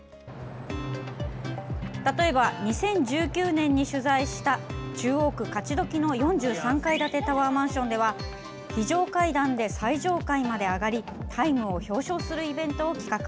例えば２０１９年に取材した中央区勝どきの４３階建てタワーマンションでは非常階段で最上階まで上がりタイムを表彰するイベントを企画。